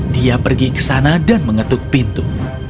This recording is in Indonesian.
dia pergi ke sana dan mengetuk pintu